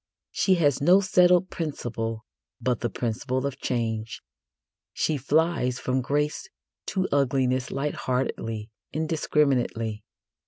She has no settled principle but the principle of change. She flies from grace to ugliness lightheartedly, indiscriminately.